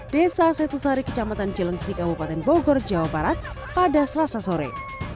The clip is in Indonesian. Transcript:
desa setusari kecamatan jelensi kabupaten bogor jawa barat pada selasa sore